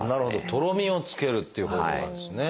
とろみをつけるっていう方法があるんですね。